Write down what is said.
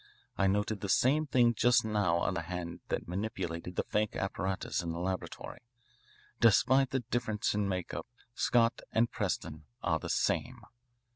I noted the same thing just now on the hand that manipulated the fake apparatus in the laboratory. Despite the difference in make up Scott and Prescott are the same.